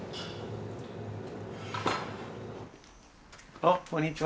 あっこんにちは。